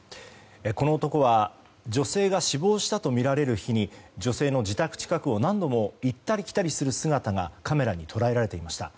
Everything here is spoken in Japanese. この男は女性が死亡したとみられる日に女性の自宅近くを何度も行ったり来たりする姿がカメラに捉えられていました。